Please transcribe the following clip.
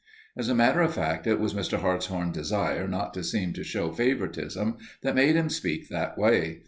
As a matter of fact it was Mr. Hartshorn's desire not to seem to show favoritism that made him speak that way.